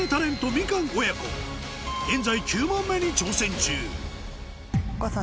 みかん親子現在９問目に挑戦中お母さん